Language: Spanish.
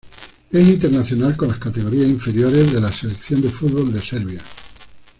Es internacional con las categorías inferiores de la selección de fútbol de Serbia.